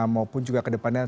maupun juga ke depannya